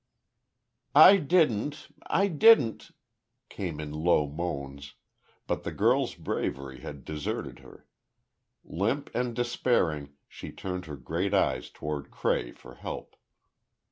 "I didn't—I didn't—" came in low moans, but the girl's bravery had deserted her. Limp and despairing, she turned her great eyes toward Cray for help.